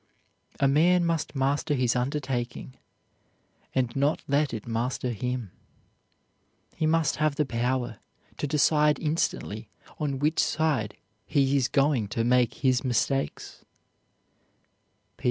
A man must master his undertaking and not let it master him. He must have the power to decide instantly on which side he is going to make his mistakes.